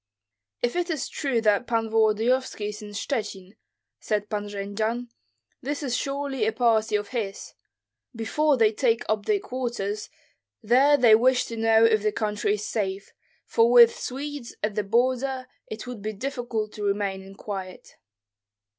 "If it is true that Pan Volodyovski is in Shchuchyn," said Pan Jendzian, "this is surely a party of his. Before they take up their quarters there they wish to know if the country is safe, for with Swedes at the border it would be difficult to remain in quiet."